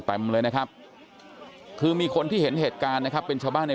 เต็มเลยนะครับคือมีคนที่เห็นเหตุการณ์นะครับเป็นชาวบ้านใน